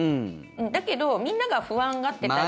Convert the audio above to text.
だけど、みんなが不安がってたり。